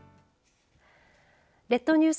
列島ニュース